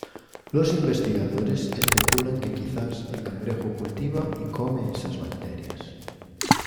Los investigadores especulan que quizás el cangrejo cultiva y come esas bacterias.